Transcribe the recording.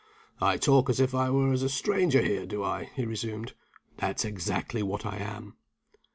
"I talk as if I was a stranger here, do I?" he resumed. "That's exactly what I am.